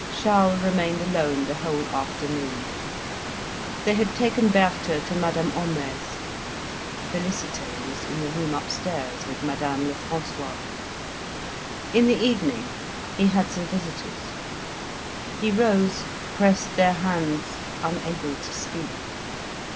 Charles remained alone the whole afternoon; they had taken Berthe to Madame Homais'; Félicité was in the room upstairs with Madame Lefrancois. In the evening he had some visitors. He rose, pressed their hands, unable to speak.